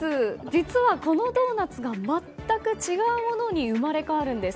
実は、このドーナツが全く違うものに生まれ変わるんです。